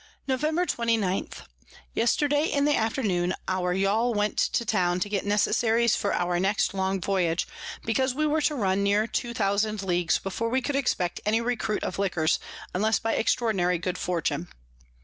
Nov. 29. Yesterday in the Afternoon our Yall went to Town to get Necessaries for our next long Voyage, because we were to run near 2000 Leagues before we could expect any Recruit of Liquors, unless by extraordinary good fortune.